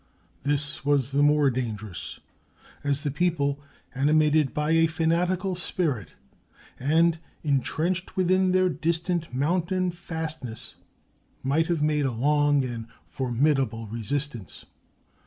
This was the more dangerous, as the people, animated by a fanatical spirit and intrenched within their distant mountain fastnesses, might have made a long and formidable resistance.